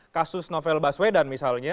kasus novel baswedan misalnya